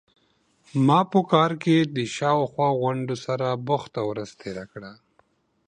ما په کار کې د شا او خوا غونډو سره بوخته ورځ تیره کړه.